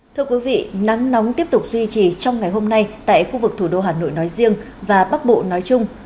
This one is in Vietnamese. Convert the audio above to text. thưa quý vị nắng nóng tiếp tục duy trì trong ngày hôm nay tại khu vực thủ đô hà nội nói riêng và bắc bộ nói chung